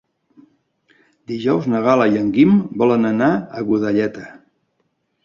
Dijous na Gal·la i en Guim volen anar a Godelleta.